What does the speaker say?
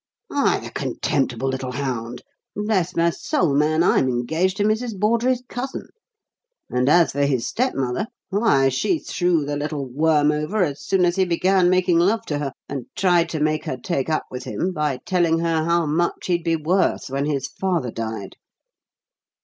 "Why, the contemptible little hound! Bless my soul, man, I'm engaged to Mrs. Bawdrey's cousin. And as for his stepmother why, she threw the little worm over as soon as he began making love to her, and tried to make her take up with him by telling her how much he'd be worth when his father died."